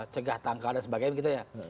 cegah tanggal dan sebagainya gitu ya